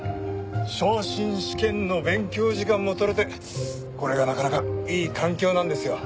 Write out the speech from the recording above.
昇進試験の勉強時間もとれてこれがなかなかいい環境なんですよ。